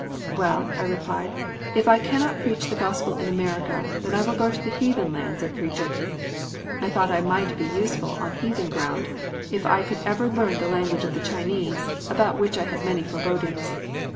"Well," I replied, "if I cannot preach the Gospel in America, then I will go to heathen lands and preach it." I thought I might be useful on heathen ground, if I could ever learn the language of the Chinese, about which I had many forebodings.